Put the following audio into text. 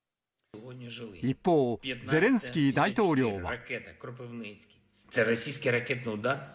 一方、ゼレンスキー大統領は。